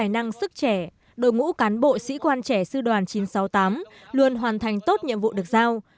năng sức trẻ đội ngũ cán bộ sĩ quan trẻ sư đoàn chín trăm sáu mươi tám luôn hoàn thành tốt nhiệm vụ được giao